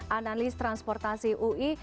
analis transportasi ui